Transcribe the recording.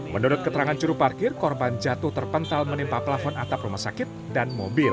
menurut keterangan juruparkir korban jatuh terpental menimpa plafon atap rumah sakit dan mobil